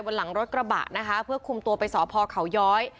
หลังรถกระบะนะคะเพื่อคุมตัวไปสพเขาย้อย